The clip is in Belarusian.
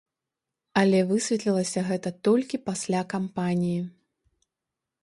Але высветлілася гэта толькі пасля кампаніі.